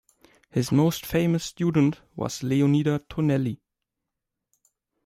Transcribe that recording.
His most famous student was Leonida Tonelli.